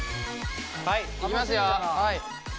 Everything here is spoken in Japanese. はいいきますよはい。